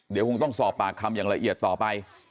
เดี๋ยวคงต้องสอบปากคำอย่างละเอียดต่อไป